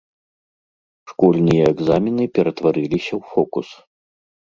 Школьныя экзамены ператварыліся ў фокус.